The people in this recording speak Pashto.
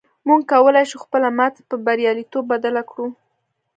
موږ کولی شو خپله ماتې پر برياليتوب بدله کړو.